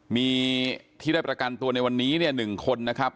มีที่ได้ประกันตัวในวันนี้เนี่ย๑คนนะครับ